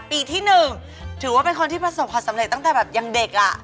ปีที่๑ถือว่าเป็นคนที่ประสบความสำเร็จตั้งแต่แบบยังเด็กอ่ะ